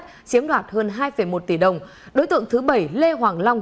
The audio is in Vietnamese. chiếm đoạt hơn hai một tỷ đồng đối tượng thứ bảy lê hoàng long